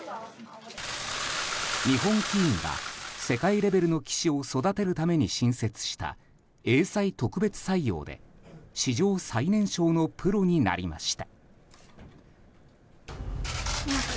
日本棋院が、世界レベルの棋士を育てるために新設した英才特別採用で史上最年少のプロになりました。